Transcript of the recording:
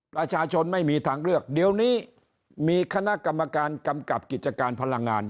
ประชาชนไม่มีทางเลือกเดี๋ยวนี้มีคณะกรรมการกำกับกิจการพลังงาน